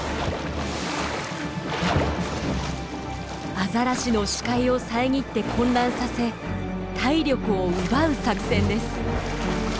アザラシの視界を遮って混乱させ体力を奪う作戦です。